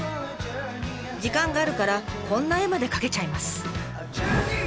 時間があるからこんな絵まで描けちゃいます。